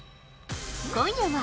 今夜は。